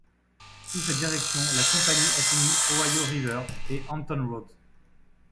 Sous sa direction, la compagnie atteignit Ohio River et Hampton Roads.